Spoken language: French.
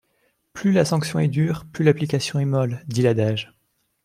Plus la sanction est dure, plus l’application est molle, dit l’adage.